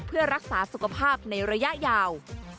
เพื่อรักษาสุขภาพในระยะยาว